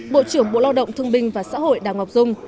bộ trưởng bộ lao động thương binh và xã hội đào ngọc dung